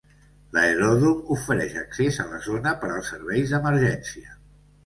L'aeròdrom ofereix accés a la zona per als serveis d'emergència.